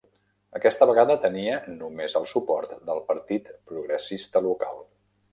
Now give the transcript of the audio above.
Aquesta vegada tenia només el suport del partit progressista local.